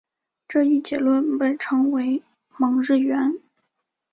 这一结论被称为蒙日圆。